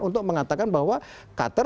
untuk mengatakan bahwa cutter